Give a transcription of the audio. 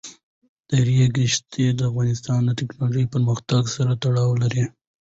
د ریګ دښتې د افغانستان د تکنالوژۍ پرمختګ سره تړاو لري.